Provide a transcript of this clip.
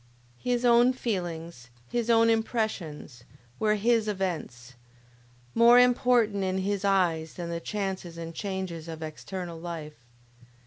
His own feelings, his own impressions, were his events; more important in his eyes than the chances and changes of external life.